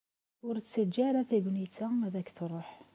Ur ttaǧǧa ara tagnit-a ad k-truḥ.